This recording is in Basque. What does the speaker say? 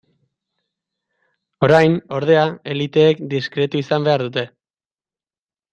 Orain, ordea, eliteek diskretu izan behar dute.